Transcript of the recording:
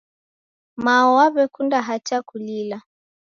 Mao waw'ekunda hata kulila.